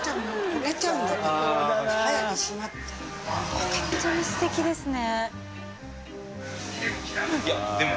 本当にすてきですね。